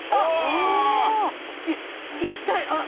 い行きたい。